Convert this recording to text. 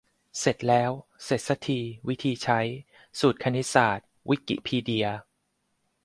เสร็จแล้ว เสร็จซะที วิธีใช้ : สูตรคณิตศาสตร์ วิกิพีเดีย